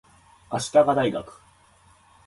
足利大学